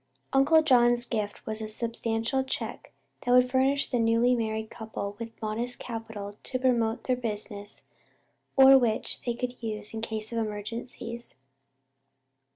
Uncle John's gift was a substantial check that would furnish the newly married couple with modest capital to promote their business or which they could use in case of emergencies.